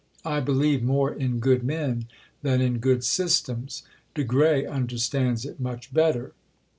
I believe more in good men than in good systems. De Grey understands it much better....